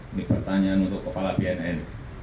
ini pertanyaan untuk kepala bnn